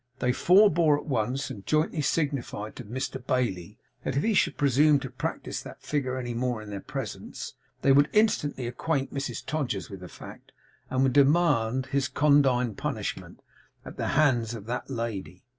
They forbore at once, and jointly signified to Mr Bailey that if he should presume to practice that figure any more in their presence, they would instantly acquaint Mrs Todgers with the fact, and would demand his condign punishment, at the hands of that lady.